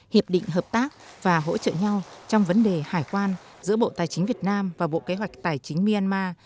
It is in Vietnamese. hiệp định hợp tác và hỗ trợ nhau trong vấn đề hải quan giữa bộ tài chính việt nam và bộ kế hoạch tài chính myanmar